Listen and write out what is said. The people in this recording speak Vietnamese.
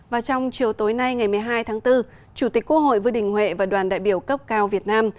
và trong chiều tối nay ngày một mươi hai tháng bốn chủ tịch quốc hội vương đình huệ và đoàn đại biểu cấp cao việt nam